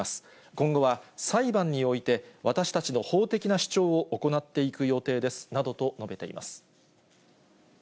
今後は裁判において、私たちの法的な主張を行っていく予定ですなどと述べています。